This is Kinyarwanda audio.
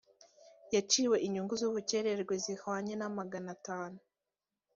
yaciwe inyungu z’ubukererwe zihwanye na magana atanu